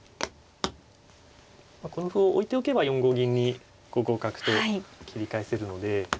この歩を置いておけば４五銀に５五角と切り返せるので。